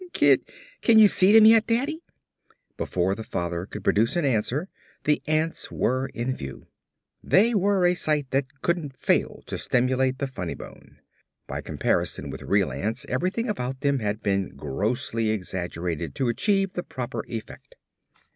Can you see them yet, Daddy?" Before the father could produce an answer the ants were in view. They were a sight that couldn't fail to stimulate the funny bone. By comparison with real ants everything about them had been grossly exaggerated to achieve the proper effect.